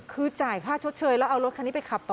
คือจ่ายค่าชดเชยแล้วเอารถคันนี้ไปขับต่อ